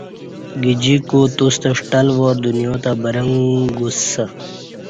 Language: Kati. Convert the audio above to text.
گجیکو توستہ ݜٹل وار دنیا تہ برنگ گوسہ